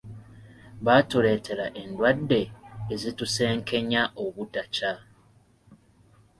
"Baatuleetera endwadde, ezitusenkenya obutakya."